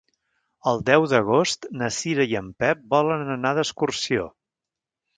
El deu d'agost na Cira i en Pep volen anar d'excursió.